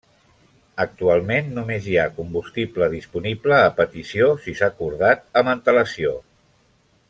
Actualment només hi ha combustible disponible a petició si s'ha acordat amb antelació.